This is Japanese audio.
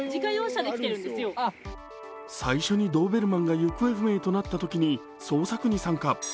２９歳は最初にドーベルマンが行方不明となったときに捜索に参加。